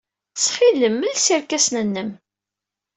Ttxil-m, els irkasen-nnem.